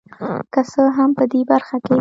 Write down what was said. که څه هم په دې برخه کې